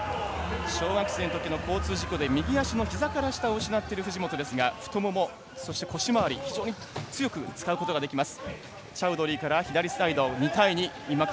小学生のときの交通事故で右足のひざから下を失っていますが太もも、腰周り非常に強く使うことができます。